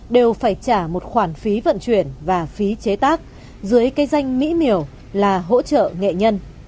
đều phải trả một khoản phí vận chuyển và phí chế tác dưới cái danh mỹ miểu là hỗ trợ nghệ nhân